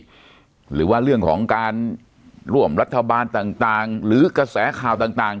หรือว่าเรื่องของการร่วมรัฐบาลต่างหรือกระแสข่าวต่าง